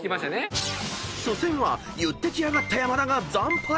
［初戦は言ってきやがった山田が惨敗］